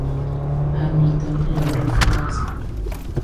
Hamilton logro fugarse.